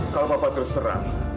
kalau papa terus terang